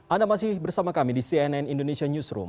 anda masih bersama kami di cnn indonesia newsroom